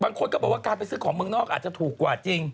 บางคนก็บอกว่าการไปซื้อของเมืองนอกอาจจะถูกกว่าจริง